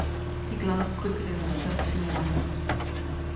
He glanced quickly over the first few lines.